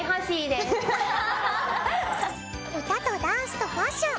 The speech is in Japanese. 歌とダンスとファッション